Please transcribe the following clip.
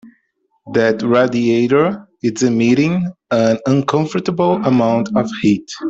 That radiator is emitting an uncomfortable amount of heat.